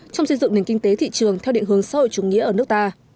trong xây dựng nền kinh tế thị trường theo định hướng xã hội chủ nghĩa ở nước ta